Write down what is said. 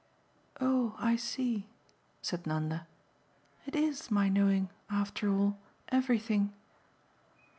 "Oh I see," said Nanda. "It IS my knowing, after all, everything."